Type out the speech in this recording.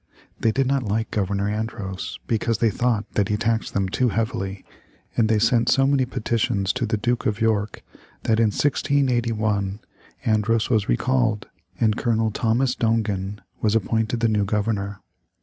They did not like Governor Andros because they thought that he taxed them too heavily, and they sent so many petitions to the Duke of York that, in 1681, Andros was recalled, and Colonel Thomas Dongan was appointed the new Governor.